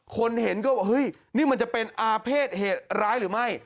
คนเห็นก็เฮ้ยนี่มันจะเป็นอาเภษเหตุร้ายหรือไม่